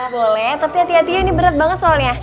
boleh tapi hati hatinya ini berat banget soalnya